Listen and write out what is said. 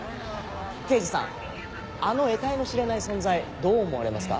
刑事さんあのえたいの知れない存在どう思われますか？